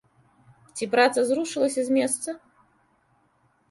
Ці праца зрушылася з месца?